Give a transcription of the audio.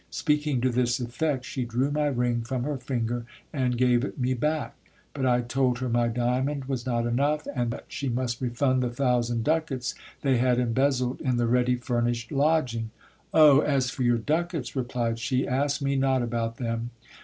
Speaking to this effect, she drew my ring from her finger, and gave it me back. But I told her my diamond was not enough, and that she must refund the thousand ducats they had embezzled in the ready furnished lodging. Oh ! as for your ducats, replied she, ask me not about them.